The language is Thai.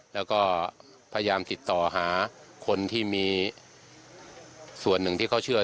แล้วก็พยายามติดต่อหาคนที่มีส่วนหนึ่งที่เขาเชื่อ